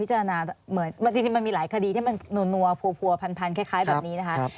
เหมือนจริงมันมีหลายคดีที่มันนัวผัวพันคล้ายแบบนี้นะคะ